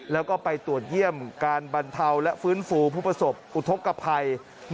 แล้วก็ไปตรวจเยี่ยมการบรรเทาและฟื้นฟูผู้ประสบอุทธกภัย